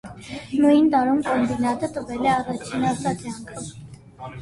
Նույն տարում կոմբինատը տվել է առաջին արտադրանքը։